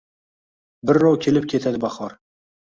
Birrov kelib ketadi bahor